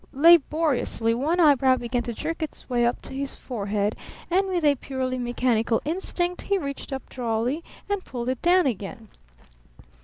Laboriously one eyebrow began to jerk its way up his forehead, and with a purely mechanical instinct he reached up drolly and pulled it down again.